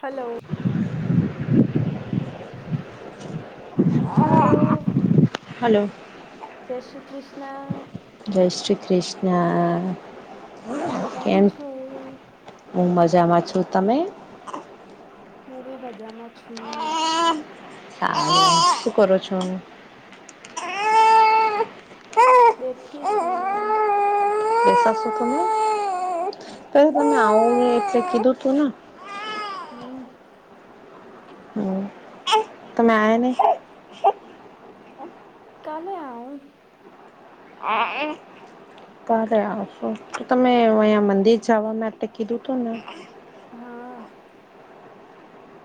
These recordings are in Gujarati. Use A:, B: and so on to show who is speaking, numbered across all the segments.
A: હલો. હલો
B: હલો
A: જય શ્રી કૃષ્ણ
B: જય શ્રી કૃષ્ણ
A: તમે કેમ છો.
B: હુ મજામાં છુ, તમે
A: હુ, બી મજામા છુ.
B: ત, શું કર છો?
A: બેઠી શું
B: બે તમે પ
A: હમ
B: તમે આવોને એટલે કીધું [unintelligible]
A: હમ
B: તોમે, એને
A: કલે આું
B: [unintelligible] તારે આવશો, તો તમે અહીંયા મંદિર જવા માટે કીધું હતુ, ને
A: હા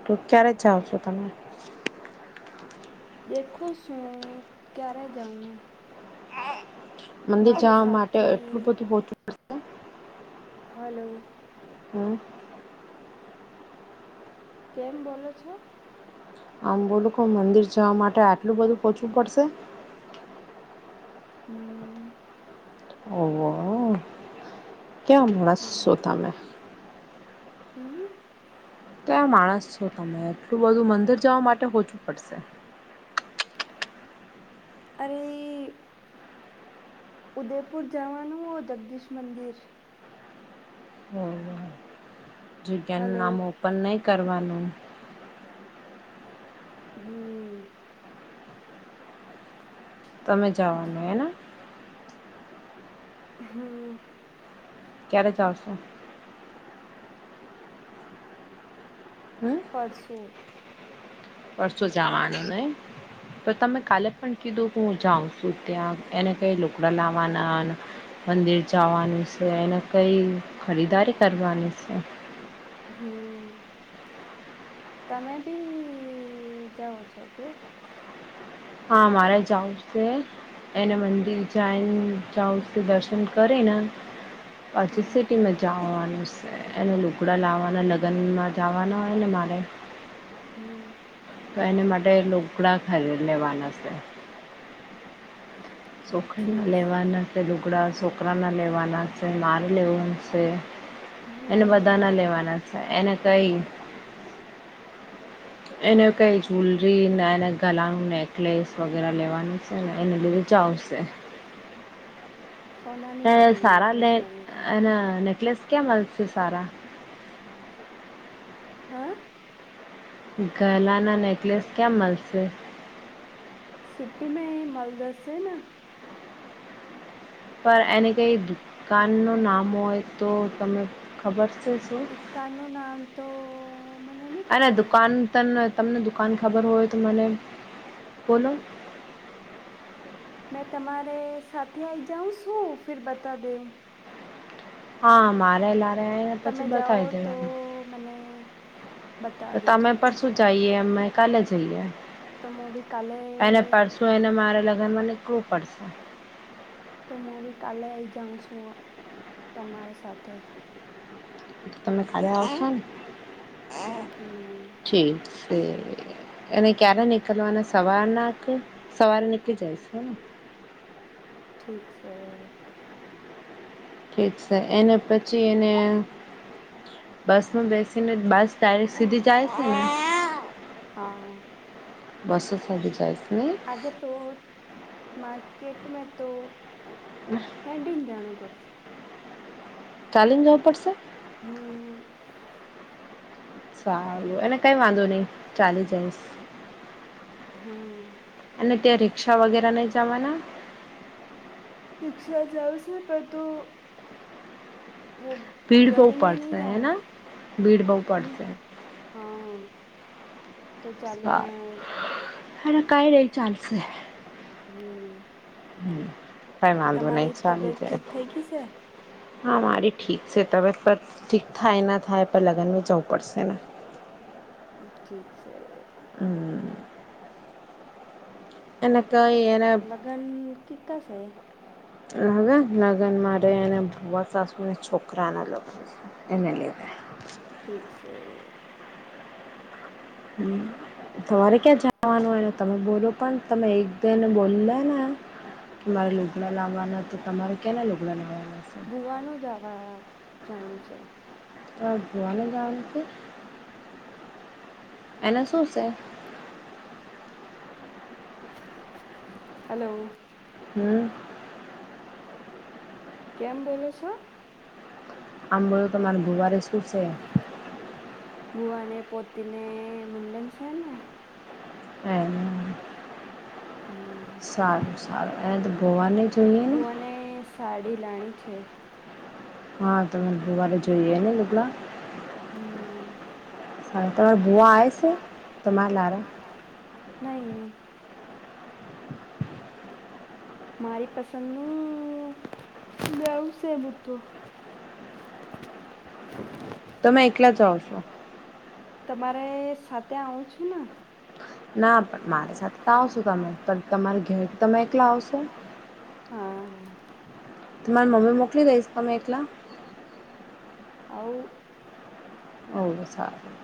B: તો ક્યારે જાાવ છો, તમે?
A: દેખો શું, ક્યારે જાઉન
B: મંદિર જવા માટે એટલું
A: સાથી
B: બધુંચુંશે
A: હલો.
B: હમ.
A: કેમ, બોલો છો.
B: આમ બોલું મંદિર જવા, માટે આટલું બધું પહોચવું પડશે.
A: હમ્મ
B: ઓહ ક્યા માણસો, તમે
A: હમ્મ
B: ત્યાં માણસ છો, તમે એટલું બધું મંદિર જવા માટે હોચુ, પડશે
A: અરે ઉદયપુર જવાનુ, હો જગદીશ મંદિર
B: જગ્યાનુ
A: હલો
B: નામ ઓપન નહીં, કરવાનું
A: હમ
B: તમે જવાનું હેને.
A: હમ.
B: ક્યારે, ચાલશ હમ
A: પરસું
B: પરસો, જવાનું ને તો તમે કાલે પણ કીધું કે હુ, જાઉં છુ, ત્યાં એને કઈ લુકડા લાવવાના મંદિર જવાનું છે, અનેને કઈ ખરીદારી કરવાની છે.
A: હમ તમે બી જાવ છો, કે
B: હા, મારે જઉ છે. એને મંદિર જાયને, જાઉ કે દર્શન કરીેને પછી,
A: હમ
B: સિટીમા જવાનું છે. એને ટુકડા લાવવાના લગ્નમા, જવાના હોય, ને મારે
A: હમ્મ.
B: તો એને માટે લોકલાા ખરી લેવાના છે. છોખરી ના લેવાના છે, ડુગળ છોકરા ના લેવાના છે, માર લેવાનું છે. એને
A: હમ
B: બધા ના લેવાના છે, એને કઈ એને કઈ જ્ જુલરી નાયા, ના ગલાનું નેકલેસ વગેરે લેવાનું છેને, એને લીધે આવશે
A: હ [inaudible]
B: હ સારા
A: નેકલેસ લેવાનું કે
B: એના નેકલેસ કયા મળશે સારા
A: હા
B: ગલાના નેકલેસ ક્યાં મળશે?
A: સિટી મે મલ દસે ના
B: પણ એને કઈ દુકાન નું નામ હોય તો તને ખબર છે શું
A: દુકાાનનું નામ તો! !
B: અને દુકાન ત તમને દુકાન ખબર હોય તો મને બોલો
A: મેં તમારે સાથે આઈ જાઉ શું ફેર બતા દેવ
B: હા મારેલા
A: તમે
B: પછી બ
A: જાઓ
B: થાય [unintelligible]
A: તો
B: જવા
A: મને બતા
B: તો
A: દીજો
B: તમે પરશું જઈએ અમે કાલે જઈએ.
A: તો હું બી કાલે
B: એને પરસુ એને મારે લ હવે મને કું પડશે
A: તો હું બી કાલે આવીઈ જાઉં છું તમારી સાથે
B: તમે ખાલી આવશો ને
A: હમ
B: [unintelligible] ઠીકસે એને ક્યારે નીકળવા અને સવાર ના સવારે નીકળી જાય છે
A: ઠીક છે
B: ઠીક છે એને પછી એને બસ માં બેસીને બસ ડાયરેક્ટ સીધી જાય છે ને?
A: હા
B: બસ સ બી [unintelligible] જાય છે ને
A: આગે તો, માર્કેટમાં તો હેડીને જાણું પડશે
B: ચાલી ને જવું પડશે.
A: હમ [inaudible]
B: સારું. એને કઈ વાંધો નઈ ચાલી જઈશ.
A: હમ
B: અને ત્યાં રિક્ષા વગેરા નહ જવાના
A: રિક્ષા જાવશે પર તો વ
B: ભીડ બહુ
A: ગલી મે નહી
B: પડશે
A: જવે
B: હેના ભીડ બહુ
A: હમ
B: પડશે
A: હા તો
B: સારું
A: ચાલીને! !
B: અરે કઈ નહી ચાલશે.
A: હમ
B: હ કઈ વાંધો નહી
A: તમારી
B: ચાલ
A: તબિયત
B: જાય.
A: ઠીક થઈ ગઈ છે
B: હા મારી ઠીક છે. તમે પણ ઠીક થાય ના થાય પણ લગ્નમાં જવું પડશે ને!
A: ઠીક છે એ
B: હમ એને કઈ એને
A: લગન કીકા શે?
B: હવે લગ્ન માટે એને ભુવા સાસુની છોકરાના લગ એને લેવડાયા.
A: ઠીક છે
B: હ તમારે ક્યાં જવાનું હોય તમે બોલો પણ તમે એક બેને બોલી લે ને કે મારે લોગડા લાવવાના તો તમારે કેના લોગડા લાવવા
A: ભુવાનું જવા જાણ છે.
B: હ જોવાને જ છે એના શું છે?
A: હલો!
B: હમ
A: કેમ બોલો છો?
B: આંબળું તમારે ગુવારે શું છે
A: ભુવાને પોતીને મુડન છે ને?
B: આયને
A: હમ,
B: એને તો ભુવાને જોઈએ ને
A: બુવાને સાડી લાણી છે. છે.
B: હા તોને બવારે જોઈએ, ને લગલા
A: હમ્મ.
B: તર બુવા આ છે, તર લરા
A: નહી. મારી પસંદ નું જવુંશે બુ્ધો તો
B: તમે એટલા જ આવશો
A: અરે સાથે આવું છું, ને
B: ના પણ મારી સાથે, તો આવશો તમે પણ તમારી ઘેર તમે એકલા આવશો
A: હા
B: મારી મમ્મી મોકલી દઈશ, તમે એકલા
A: આવ
B: ઓ સારું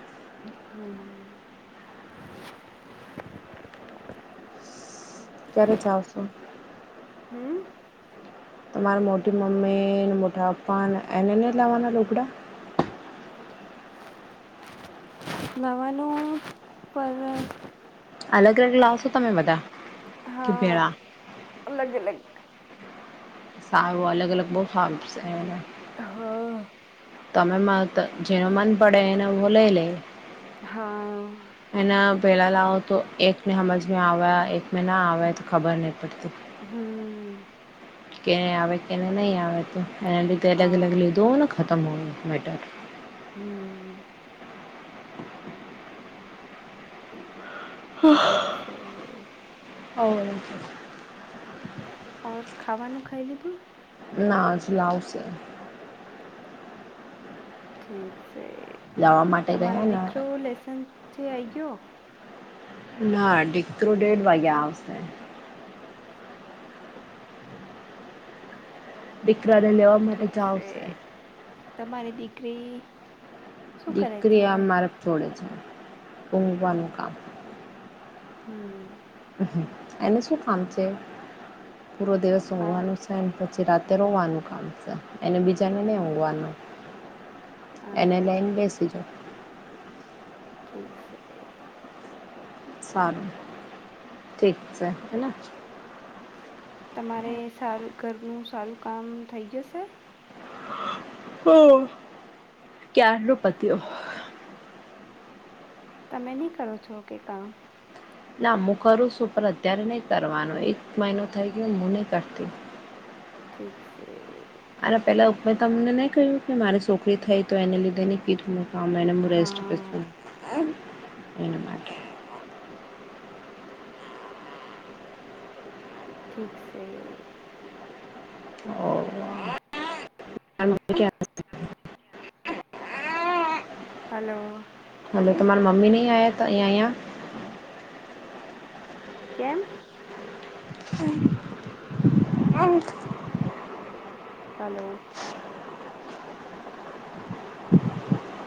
A: હમ્મ
B: ક્યારે જાવશું
A: હમ્મ.
B: તમારે મોટી મમ્મી મોટા પપ્પા એને નહી, લાવવાના રોકડા
A: નવાનું પર
B: અલ, ગ અલગ લાવશો. તમે બધા કે
A: હા,
B: ભેળા?
A: અલગ, અલગ
B: સારું અલગ, અલગ બહુ, ફાર્મ
A: હા
B: તમે જેનો મન પડે એને હુ, લઈ લે
A: હા
B: પેડા લાઓ, તો એક મે સમજમાં આવેવા્યા એક મે ના આવા્યા, તો ખબર ન પડતી.
A: હમ્મ.
B: કેને આવે કેને નહી, આવે તો એના લીધે અલગ
A: હા
B: અલગ લીધું હો, ને ખતમ હોય, મેટર
A: હમ્મ. ઠીક સે
B: હો
A: ખલી તું
B: ના જ લાવશે
A: ઠીક છે,
B: લાવવા માટે
A: તમા
B: ગયા
A: મરેબ
B: ને
A: દખ લ્યો લેસન્સ જે આ આવી ગયો.
B: નાકેડ વાગ્યા, આવશે દીકરાને લેવા, માટે
A: ઠીક છે
B: જાવશે.
A: તમારી દીકરી શું કરે
B: દીકરી
A: છે
B: આ મારેફ છોડે છે, ઘવાનું કામ
A: હમ્મ
B: એનું શું કામ છે, પૂરો દિવસ
A: હા
B: ઉંઘવાનું છે, પછી રા રોવાનું કામ છે. એને બીજાને નહી,
A: હમ
B: હોઘવાનું એને લઈને
A: હા
B: બેસીજો
A: ઠીક છે.
B: સારું ઠીક સે, હેના
A: તમારે સારું ઘરનું સારુ કામ થઈ, ગઈયો સે
B: હમ, કાર ન પતિઓ
A: તમે નહી કરો છો, કે કામ
B: ના હું કરું છુ, પણ અત્યારે નહી કરવાનો એક મહિનો થઈ ગયો હું, નહી કરતી
A: ઠીક છે.
B: અરે પેલા ઉપ તમને નહી, કહ્યું કે મારી છોકરી થઈ તો એને લીધે નહી, કીધું મ હા, મેને મુ રસ્ટ
A: હા ઠીક, સે
B: [inaudible]
A: હલો
B: હવે, તમારા મમ્મી નહી, આવયા અહીં અહંયા
A: કેમ
B: [inaudible]
A: ચાલો
B: [inaudible]